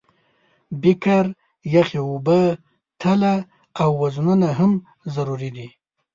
بیکر، یخې اوبه، تله او وزنونه هم ضروري دي.